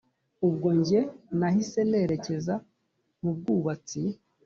ubwo njye nahise nerekeza mubwubatsi